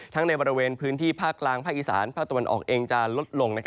ในบริเวณพื้นที่ภาคกลางภาคอีสานภาคตะวันออกเองจะลดลง